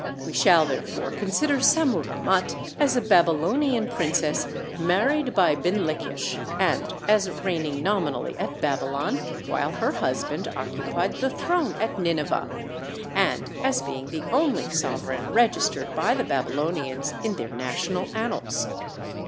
We shall therefore consider Sammuramat as a Babylonian princess married by Binlikhish, and as reigning nominally at Babylon while her husband occupied the throne at Nineveh, and as being the only sovereign registered by the Babylonians in their national annals.